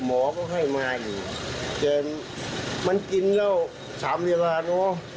หมอก็ให้มาอยู่แต่มันกินแล้ว๓เวลาเนอะ